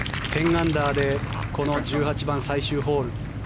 １０アンダーでこの１８番、最終ホール。